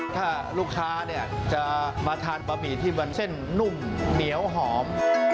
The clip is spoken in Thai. ถ้าลูกค้าจะมาทานบะหมี่ที่มันเส้นนุ่มเหนียวหอม